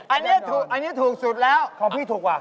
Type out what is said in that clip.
อันนี้ถูกอันนี้ถูกสุดแล้วของพี่ถูกกว่า